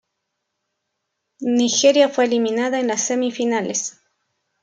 Nigeria fue eliminada en las semifinales.